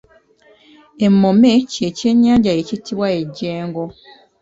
Emmome kye ky’ennyanja ekittibwa ejjengo.